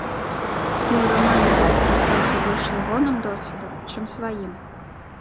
І ў рамане я скарыстаўся больш ягоным досведам, чым сваім.